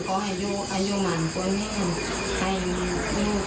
ก็ให้อยู่มากกว่านี้ให้มีลูกอีกทีมีมาก